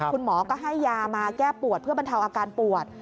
คุณหมอก็ให้ยามาแก้ปวดเพื่อบรรเทาอาการปวด